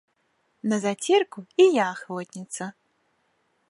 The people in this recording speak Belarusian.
На зацірку і я ахвотніца!